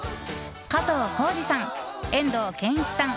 加藤浩次さん、遠藤憲一さん